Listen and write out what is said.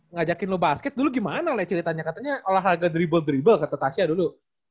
ngajakin lu basket dulu gimana le ceritanya katanya olahraga dribble dribble kata tasya dulu